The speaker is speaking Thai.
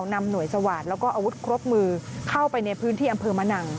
นำหน่วยสวาสตร์แล้วก็อาวุธครบมือเข้าไปในพื้นที่อำเภอมะนัง